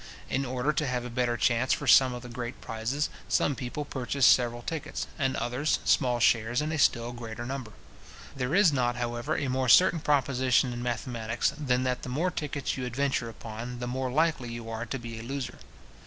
In order to have a better chance for some of the great prizes, some people purchase several tickets; and others, small shares in a still greater number. There is not, however, a more certain proposition in mathematics, than that the more tickets you adventure upon, the more likely you are to be a loser.